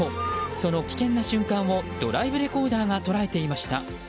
その危険な瞬間をドライブレコーダーが捉えていました。